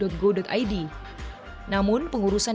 namun pengurusan ini tidak bisa diperlukan